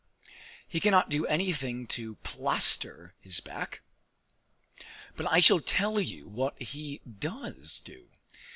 He cannot do anything to plaster his back; but I shall tell you what he does do.